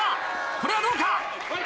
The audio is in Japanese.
これはどうか？